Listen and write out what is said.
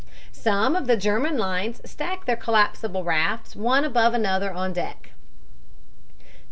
Some of the German lines stack their collapsible rafts one above another on deck.